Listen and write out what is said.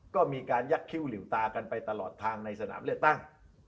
ก็มีการยักษ์คิ้วหลิวตากันไปตลอดทางในสนามเลือกตั้ง